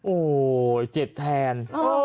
โอ้โหเจ็บแทน